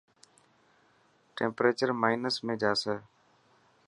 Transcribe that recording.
ٽيمپريڄر مائنس ۾ جاسي.